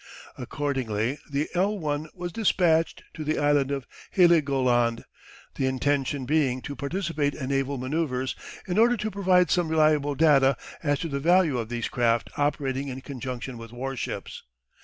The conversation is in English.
Accordingly the "L I" was dispatched to the island of Heligoland, the intention being to participate in naval manoeuvres in order to provide some reliable data as to the value of these craft operating in conjunction with warships.